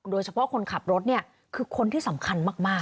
โดยเฉพาะคนขับรถเนี่ยคือคนที่สำคัญมาก